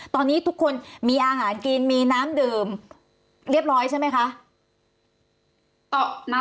ตอนนี้ทุกคนมีอาหารกินมีน้ำดื่มเรียบร้อยใช่ไหมคะ